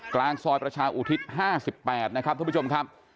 กลางซอยประชาอุทิศ๕๘นะครับทุกผู้ชมครับ